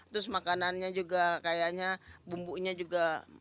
terus makanannya juga kayaknya bumbunya juga